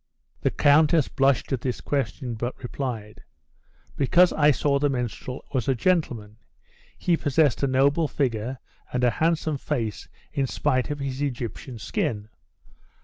The countess blushed at this question, but replied, "Because I saw the minstrel was a gentleman. He possessed a noble figure, and a handsome face in spite of his Egyptian skin.